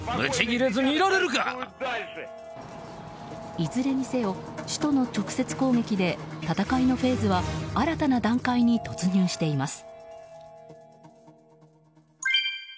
いずれにせよ首都の直接攻撃で戦いのフェーズは新たな段階に突入しています。